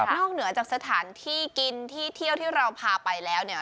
เหนือจากสถานที่กินที่เที่ยวที่เราพาไปแล้วเนี่ย